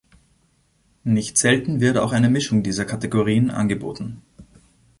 Nicht selten wird auch eine Mischung dieser Kategorien angeboten.